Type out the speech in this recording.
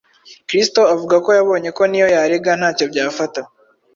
Kizito avuga ko yabonye ko niyo yarega ntacyo byafata